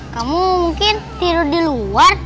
kamu mungkin tidur di luar